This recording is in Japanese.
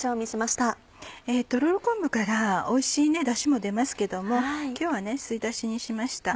とろろ昆布からおいしいだしも出ますけど今日は吸いだしにしました。